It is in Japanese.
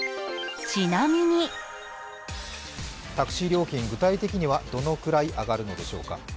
タクシー料金、具体的にはどのくらい上がるのでしょうか。